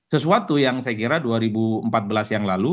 sesuatu yang saya kira dua ribu empat belas yang lalu